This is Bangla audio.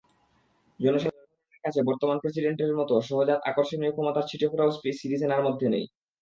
জনসাধারণের কাছে বর্তমান প্রেসিডেন্টের মতো সহজাত আকর্ষণীয় ক্ষমতার ছিটেফোঁটাও সিরিসেনার মধ্যে নেই।